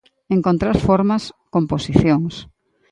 Encontrar formas, composicións.